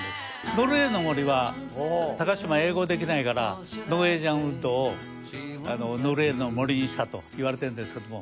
『ノルウェーの森』は嶋は英語できないから『ＮｏｒｗｅｇｉａｎＷｏｏｄ』を『ノルウェーの森』にしたと言われてるんですけども。